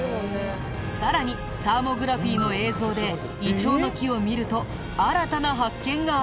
さらにサーモグラフィーの映像でイチョウの木を見ると新たな発見があったんだ。